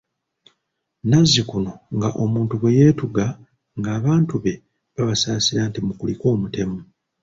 Nazzikuno nga omuntu bwe yeetuga nga abantu be babasaasira nti mukulike omutemu.